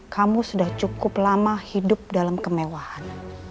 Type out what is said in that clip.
kamu sudah cukup lama hidup dalam kemewahan